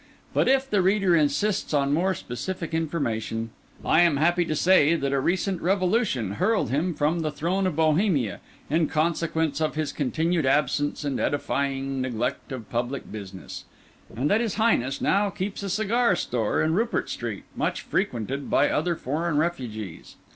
But if the reader insists on more specific information, I am happy to say that a recent revolution hurled him from the throne of Bohemia, in consequence of his continued absence and edifying neglect of public business; and that his Highness now keeps a cigar store in Rupert Street, much frequented by other foreign refugees.